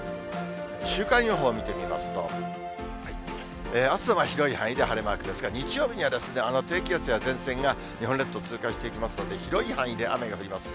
週間予報を見てみますと、あすは広い範囲で晴れマークですが、日曜日には、低気圧や前線が日本列島通過していきますので、広い範囲で雨が降ります。